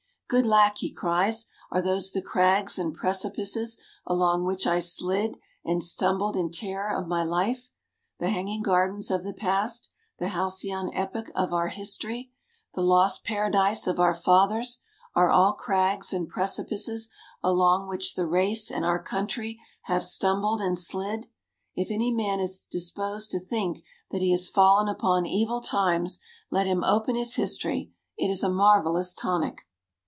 Good lack! he cries, are those the crags and precipices along which I slid and stumbled in terror of my life? The hanging gardens of the past, the halcyon epoch of our history, the lost paradise of our fathers, are all crags and precipices along which the race and our country have stumbled and slid. If any man is disposed to think that he has fallen upon evil times, let him open his history. It is a marvellous tonic.